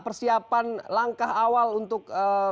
persiapan langkah awal untuk